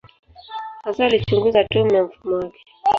Hasa alichunguza atomu na mfumo wake.